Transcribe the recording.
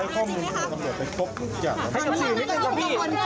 สบายใจขึ้นไหมครับพี่